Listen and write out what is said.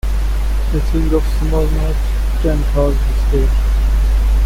A thing of small note can cause despair.